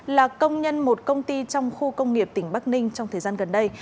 là công nhân một công ty trong khu công nghiệp tỉnh bắc ninh trong thời gian gần đây